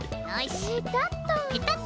ペタッと。